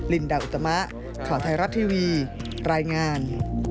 ลินดาอุตมะข่าวไทยรัฐทีวีรายงาน